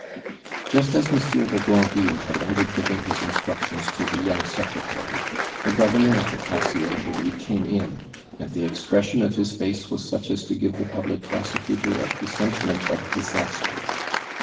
Just as Monsieur de Granville had ended giving his instructions to the young secretary, the Governor of the Conciergerie came in, and the expression of his face was such as to give the public prosecutor a presentiment of disaster.